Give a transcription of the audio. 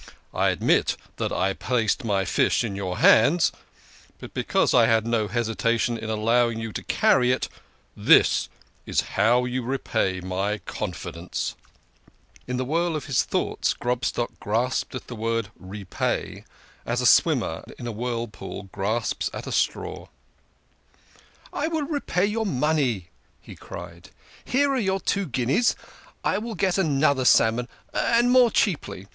I admit that I placed my fish in your hands. But because I 'THIS SALMON TO THE COOK! had no hesitation in allowing you to carry it, this is how you repay my confidence !" In the whirl of his thoughts Grobstock grasped at the word " repay " as a swimmer in a whirlpool grasps at a straw. 28 THE KING OF SCHNORRERS. " I will repay your money !" he cried. " Here are your two guineas. You will get another salmon, and more cheaply.